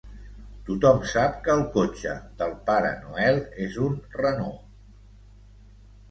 Tothom sap que el cotxe del Pare Noel és un Renault.